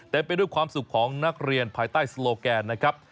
ไปด้วยความสุขของนักเรียนภายใต้สโลแกนนะครับ